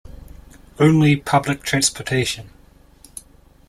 Only public transportation.